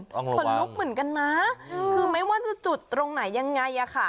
ขนลุกเหมือนกันนะคือไม่ว่าจะจุดตรงไหนยังไงอ่ะค่ะ